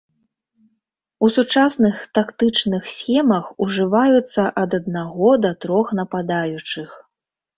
У сучасных тактычных схемах ужываюцца ад аднаго да трох нападаючых.